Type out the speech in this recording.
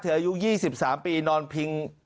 อายุ๒๓ปีนอนพิง